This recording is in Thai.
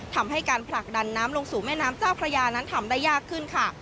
ทำให้การผลักดันน้ำลงสู่แม่น้ำเจ้าพระยานั้นทำได้ยากขึ้นค่ะ